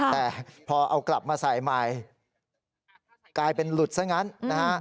แต่พอเอากลับมาใส่ใหม่กลายเป็นหลุดซะงั้นนะฮะ